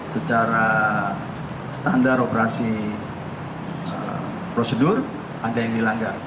secara standar operasi prosedur ada yang dilanggar